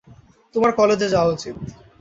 তোমার কলেজে যাওয়া উচিত।